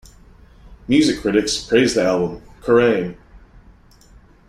Music critics praised the album; Kerrang!